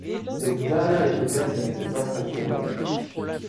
Cette dernière hypothèse n’était que trop probable.